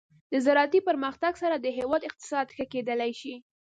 د زراعتي پرمختګ سره د هیواد اقتصاد ښه کیدلی شي.